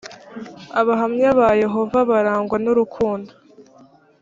abahamya ba yehova barangwa n’urukundo.